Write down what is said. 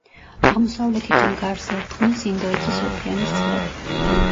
აღმოსავლეთიდან გარს ერტყმის ინდოეთის ოკეანის წყლები.